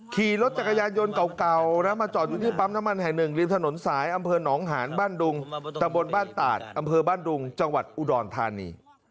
ขี่รถจักรยานยนต์เก่านะมาจอดอยู่ที่ปั๊มน้ำมันแห่งหนึ่งริมถนนสายอำเภอหนองหานบ้านดุงตะบนบ้านตาดอำเภอบ้านดุงจังหวัดอุดรธานี